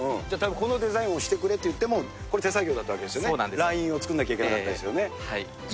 このデザインをしてくれって言っても、これは手作業だったわけですよね、ライン作らなきゃいけなかったですよね。